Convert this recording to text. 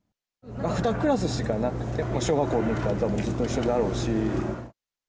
２クラスしかなくて、小学校のときからたぶんずっと一緒だろうし。